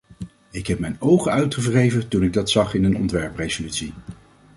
Ik heb mijn ogen uitgewreven toen ik dat zag in een ontwerpresolutie.